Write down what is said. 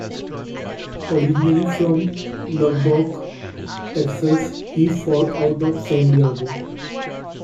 Originally from Lubbock, Texas, he fought out of San Diego.